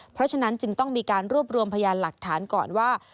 เพราะฉะนั้นจึงต้องมีการรวบรวมพยานหลักฐานก่อนว่า